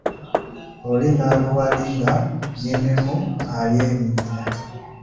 Oli nnaluwali, nga nnyinimu alya n’eminyira.